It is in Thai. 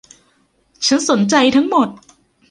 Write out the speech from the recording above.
ฉันสนใจทั้งหมด